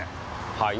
はい？